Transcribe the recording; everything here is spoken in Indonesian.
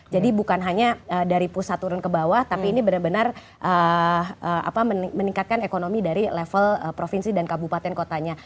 jadi bukan hanya dari pusat turun ke bawah tapi ini benar benar meningkatkan ekonomi dari level provinsi dan kabupaten kotanya